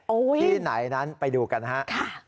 โอ้ยที่ไหนนั้นไปดูกันฮะค่ะ